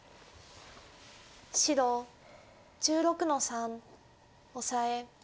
白１６の三オサエ。